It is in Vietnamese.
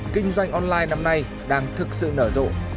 kinh doanh online năm nay đang thực sự nở rộ